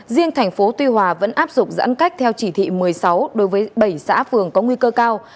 riêng thành phố tuy hòa vẫn áp dụng giãn cách theo chỉ thị một mươi sáu đối với bảy xã phường có nguy cơ cao